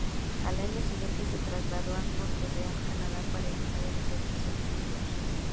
Al año siguiente se trasladó a Montreal, Canadá, para evitar el servicio militar.